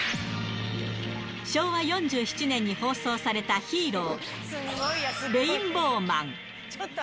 昭和４７年に放送されたヒーロー、レインボーマン。